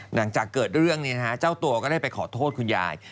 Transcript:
หลังจากเกิดเรื่องนี้เจ้าตัวก็ได้ไปขอโทษคุณยาย